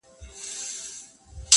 د کندهار په ډېرو کلیو کې